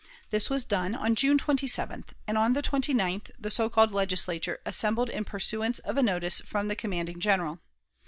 This was done on June 27th, and on the 29th the so called Legislature assembled in pursuance of a notice from the commanding General.